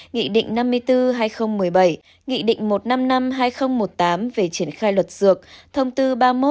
nghị định năm mươi bốn hai nghìn một mươi bảy nghị định một trăm năm mươi năm hai nghìn một mươi tám về triển khai luật dược thông tư ba mươi một hai nghìn một mươi tám